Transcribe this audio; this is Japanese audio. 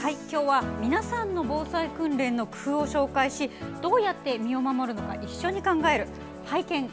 今日は皆さんの防災訓練の工夫を紹介しどのように身を守るのか一緒に考える「拝見！